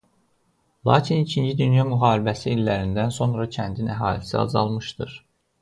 Lakin İkinci dünya müharibəsi illərindən sonra kəndin əhalisi azalmışdır.